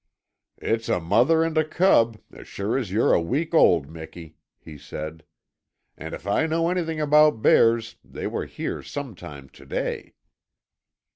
"It's a mother and a cub, as sure as you're a week old, Miki," he said. "And if I know anything about bears they were here some time to day!"